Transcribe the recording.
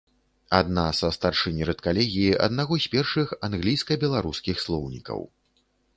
Адна са старшынь рэдкалегіі аднаго з першых англійска-беларускіх слоўнікаў.